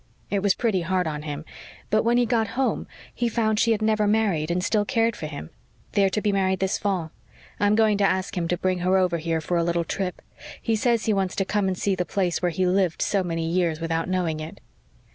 It was pretty hard on him, but when he got home he found she had never married and still cared for him. They are to be married this fall. I'm going to ask him to bring her over here for a little trip; he says he wants to come and see the place where he lived so many years without knowing it."